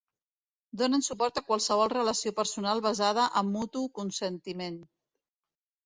Donen suport a qualsevol relació personal basada en mutu consentiment.